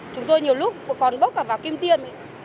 chúng tôi nhiều lúc còn bước cả vào kim tiên